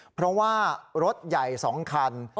เพราะว่ารถใหญ่๒คัน